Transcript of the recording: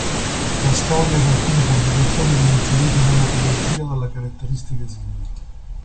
La storia in alcune pubblicazioni viene inserita in una trilogia dalle caratteristiche simili.